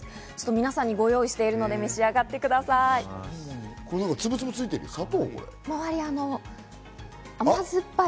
皆さんにご用意しているので、召し上がってください。